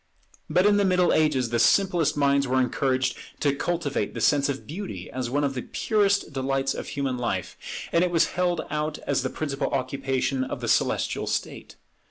But in the Middle Ages the simplest minds were encouraged to cultivate the sense of beauty as one of the purest delights of human life; and it was held out as the principal occupation of the celestial state.